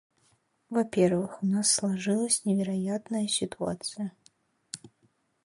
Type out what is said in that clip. Во-первых, у нас сложилась невероятная ситуация.